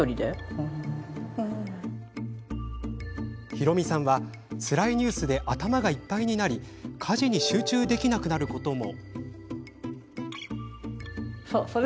ひろみさんは、つらいニュースで頭がいっぱいになり家事に集中できなくなることも。